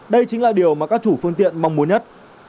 đây chính là điều mà các chủ phương tiện mong muốn nhất